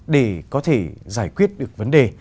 để có thể giải quyết được vấn đề